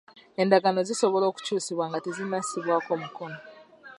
Endagaano zisobola okukyusibwa nga tezinnassibwako mukono.